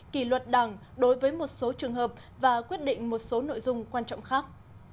kỷ luật đảng đối với một số trường hợp và quyết định một số nội dung quan trọng khác